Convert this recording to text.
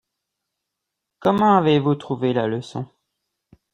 Comment avez-vous trouver la leçon ?